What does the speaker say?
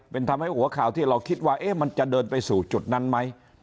เป็นทำให้หัวข่าวที่เราคิดว่ามันจะเดินไปสู่จุดนั้นไหม